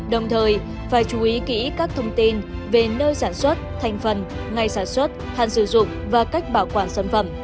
đồng thời phải chú ý kỹ các thông tin về nơi sản xuất thành phần ngày sản xuất hạn sử dụng và cách bảo quản sản phẩm